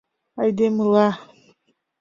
Айдемыла